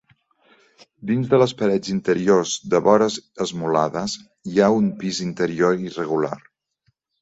Dins de les parets interiors de vores esmolades hi ha un pis interior irregular.